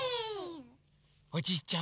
おじいちゃん